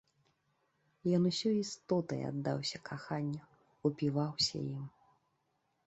Ён усёй істотай аддаўся каханню, упіваўся ім.